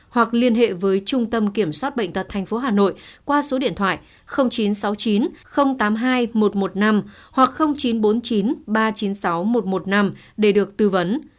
hoặc liên hệ với trung tâm kiểm soát bệnh tật tp hà nội qua số điện thoại chín trăm sáu mươi chín tám mươi hai một trăm một mươi năm hoặc chín trăm bốn mươi chín ba trăm chín mươi sáu một trăm một mươi năm để được tư vấn